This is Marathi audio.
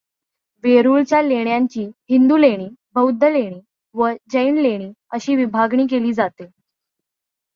वेरूळच्या लेण्यांची हिंदू लेणी, बौद्ध लेणी व जैन लेणी अशी विभागणी केली जाते.